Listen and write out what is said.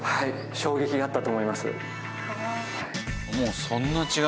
衝撃があったと思います。